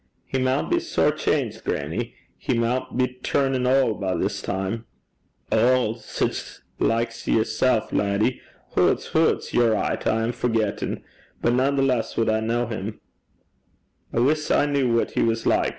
'He maun be sair changed, grannie. He maun be turnin' auld by this time.' 'Auld! Sic like 's yersel, laddie. Hoots, hoots! ye're richt. I am forgettin'. But nanetheless wad I ken him.' 'I wis I kent what he was like.